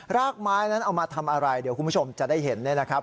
รากไม้นั้นเอามาทำอะไรเดี๋ยวคุณผู้ชมจะได้เห็นเนี่ยนะครับ